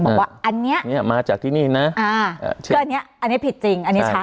บอกว่าอันเนี้ยเนี้ยมาจากที่นี่นะอ่าเชื่ออันนี้อันนี้ผิดจริงอันนี้ชัด